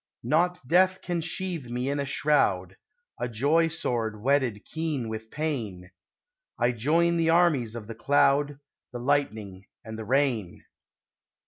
Not Death can sheathe me in a shroud; A joy sword whetted keen with pain, I join the armies of the Cloud The Lightning and the Rain.